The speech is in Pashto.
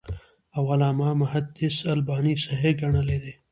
او علامه محدِّث الباني صحيح ګڼلی دی .